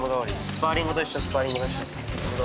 スパーリングと一緒スパーリングと一緒。